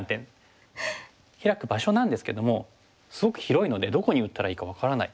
ヒラく場所なんですけどもすごく広いのでどこに打ったらいいか分からない。